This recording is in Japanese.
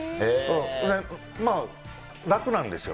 それでまあ、楽なんですよ。